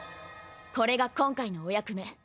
これが今回のお役目。